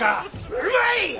うまい！